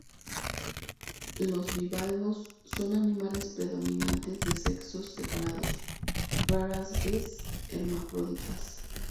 Los bivalvos son animales predominantemente de sexos separados, rara vez hermafroditas.